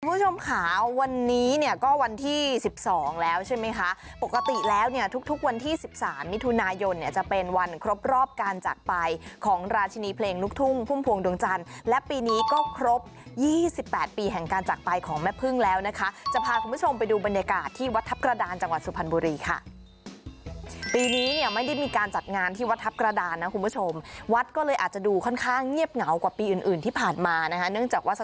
คุณผู้ชมขาววันนี้เนี่ยก็วันที่สิบสองแล้วใช่ไหมคะปกติแล้วเนี่ยทุกทุกวันที่สิบสามมิถุนายนเนี่ยจะเป็นวันครบรอบการจักรไปของราชินีเพลงนุกทุ่งพุ่มพวงดวงจันทร์และปีนี้ก็ครบยี่สิบแปดปีแห่งการจักรไปของแม่พึ่งแล้วนะคะจะพาคุณผู้ชมไปดูบรรยากาศที่วัดทัพกระดานจังหวัดสุพรรณบุ